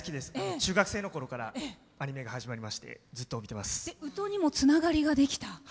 中学生のころからアニメが始まりまして宇土にもつながりができた？